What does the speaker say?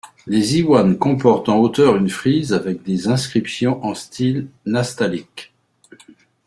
Les iwans comportent en hauteur une frise avec des inscriptions en style nastaliq.